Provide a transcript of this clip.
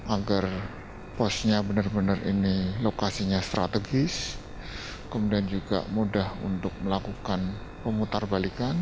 agar posnya benar benar ini lokasinya strategis kemudian juga mudah untuk melakukan pemutar balikan